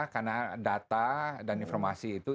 karena data dan informasi itu